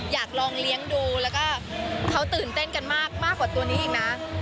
อยากลองเลี้ยงดูแล้วก็เขาตื่นเต้นกันมากกว่าตัวนี้อีกนะ